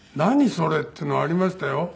それっていうのはありましたよ。